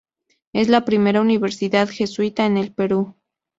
Es la primera universidad jesuita en el Perú.